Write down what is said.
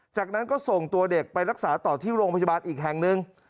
จากนั้นก็ส่งตัวเด็กไปรักษาต่อที่โรงพยาบาลอีกแห่งหนึ่ง